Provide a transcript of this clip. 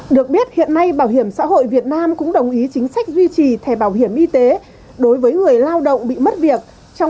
được biết hiện nay bảo hiểm xã hội việt nam cũng đồng ý chính sách duy trì thẻ bảo hiểm y tế đối với người lao động bị mất việc trong thời gian tối đa tám tháng